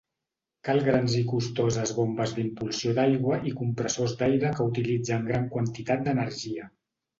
Cal grans i costoses bombes d'impulsió d'aigua i compressors d'aire que utilitzen gran quantitat d'energia.